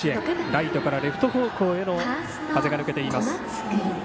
ライトからレフト方向への風が抜けています。